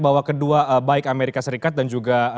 bahwa kedua baik amerika serikat dan juga